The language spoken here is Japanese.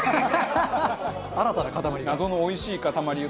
新たな塊が。